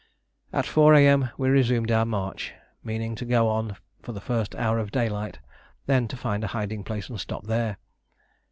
At 4 A.M. we resumed our march, meaning to go on for the first hour of daylight, then to find a hiding place and stop there.